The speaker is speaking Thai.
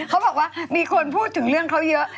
เขาบอกว่ามีคนพูดถึงเรื่องเขาเยอะ